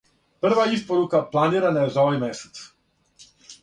Прва испорука планирана је за овај месец.